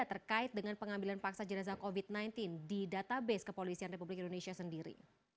terkait dengan pengambilan paksa jenazah covid sembilan belas di database kepolisian republik indonesia sendiri